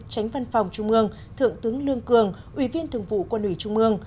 tránh văn phòng trung ương thượng tướng lương cường ủy viên thường vụ quân ủy trung ương